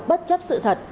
bất chấp sự thật